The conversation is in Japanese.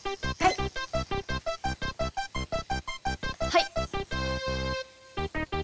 はい。